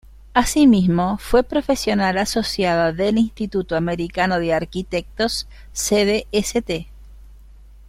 Asimismo fue profesional asociada del Instituto Americano de Arquitectos, sede St.